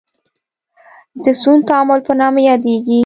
د سون تعامل په نامه یادیږي.